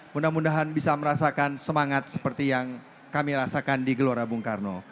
mudah mudahan bisa merasakan semangat seperti yang kami rasakan di gelora bung karno